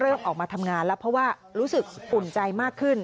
ออกมาทำงานแล้วเพราะว่ารู้สึกอุ่นใจมากขึ้น